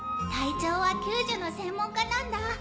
隊長は救助の専門家なんだ。